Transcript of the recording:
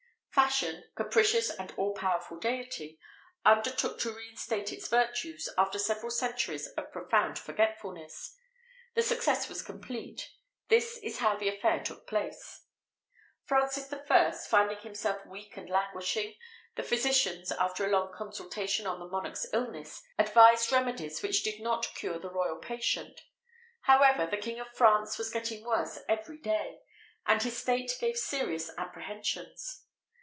[XVIII 19] Fashion capricious and all powerful deity undertook to re instate its virtues, after several centuries of profound forgetfulness. The success was complete. This is how the affair took place: Francis I., finding himself weak and languishing, the physicians, after a long consultation on the monarch's illness, advised remedies which did not cure the royal patient. However, the King of France was getting worse every day, and his state gave serious apprehensions.